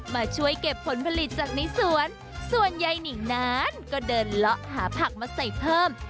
มาช่วยเก็บผลผลิตจากในสวนส่วนยายนิ่งนั้นก็เดินเลาะหาผักมาใส่เพิ่ม